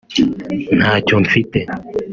Ntacyo mfite